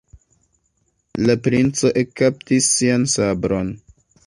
La princo ekkaptis sian sabron.